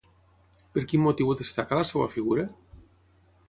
Per quin motiu destaca la seva figura?